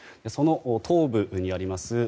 その東部にあります